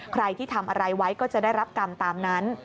ใครที่ทำอะไรไว้ก็จะได้รับกรรมตามนั้น